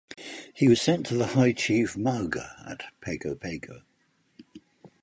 He was sent to the High Chief Mauga at Pago Pago.